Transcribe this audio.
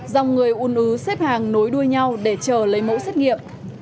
dòng người un ứ xếp hàng nối đuôi nhau để chờ lấy mẫu xét nghiệm